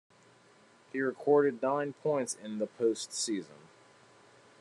He recorded nine points in the post-season.